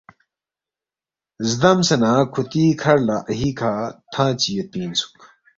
زدمسے نہ کُھوتی کَھر لہ اَہیکھہ تھنگ چی یودپی اِنسُوک